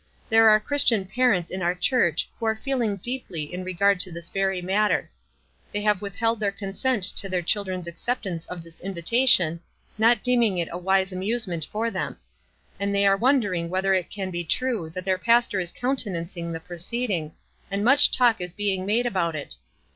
There are Christian parents in our church who are feeling deeply in regard to this very matter. They have withheld their consent to their children's acceptance of this invitation, not deeming it a wise amusement for them ; and they are wondering whether it can be true that their pastor is countenancing the proceeding, and much talk is being made about it.